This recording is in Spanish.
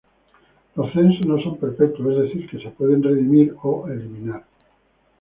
Los censos no son perpetuos, es decir, que se pueden "redimir" o eliminar.